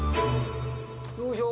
よいしょ。